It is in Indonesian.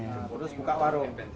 terus buka warung